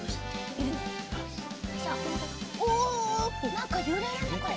なんかゆれるねこれ。